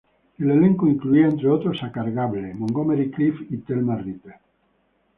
El elenco incluía, entre otros, a Clark Gable, Montgomery Clift y Thelma Ritter.